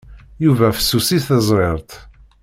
Yuba fessus i tezrirt.